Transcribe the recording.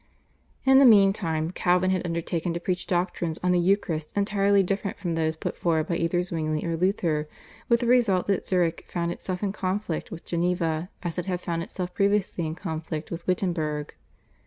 In the meantime Calvin had undertaken to preach doctrines on the Eucharist entirely different from those put forward by either Zwingli or Luther, with the result that Zurich found itself in conflict with Geneva as it had found itself previously in conflict with Wittenberg.